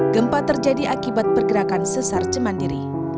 gempa terjadi akibat pergerakan sesar cemandiri